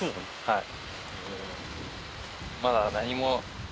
はい。